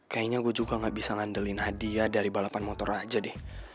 kayaknya gue juga gak bisa ngandelin hadiah dari balapan motor aja deh